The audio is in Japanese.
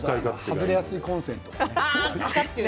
外れやすいコンセントね。